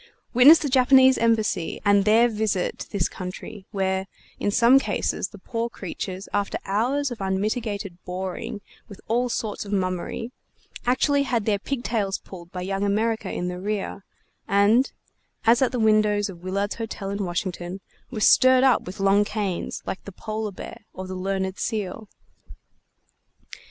Witness the Japanese Embassy and their visit to this country, where, in some cases, the poor creatures, after hours of unmitigated boring with all sorts of mummery, actually had their pigtails pulled by Young America in the rear, and as at the windows of Willard's Hotel in Washington were stirred up with long canes, like the Polar Bear or the Learned Seal.